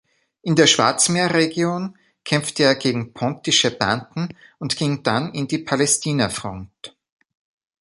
In der Schwarzmeerregion kämpfte er gegen pontische Banden und ging dann an die Palästinafront.